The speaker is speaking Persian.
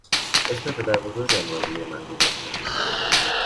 اسم پدر بزرگم را روی من گذاشتند.